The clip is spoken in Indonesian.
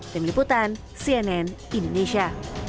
demi putan cnn indonesia